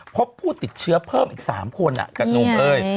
พบผู้ติดเชื้อเพิ่มอีก๓คนกับหนุ่มเอ้ย